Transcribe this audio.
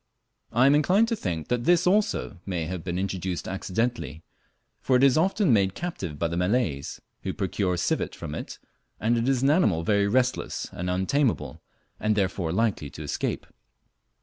I am inclined to think that this also may have been introduced accidentally, for it is often made captive by the Malays, who procure civet from it, and it is an animal very restless and untameable, and therefore likely to escape.